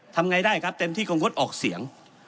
ทำไงได้ครับเต็มที่ก็งดออกเสียง